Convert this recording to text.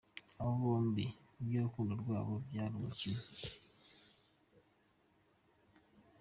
Aba bombi iby’urukundo rwabo byari imikino.